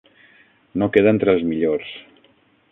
No queda entre els millors.